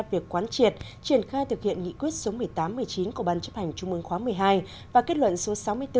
việc quán triệt triển khai thực hiện nghị quyết số một mươi tám một mươi chín của ban chấp hành trung mương khóa một mươi hai và kết luận số sáu mươi bốn